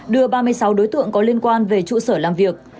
đưa ba mươi sáu đối tượng có liên quan về trụ sở làm việc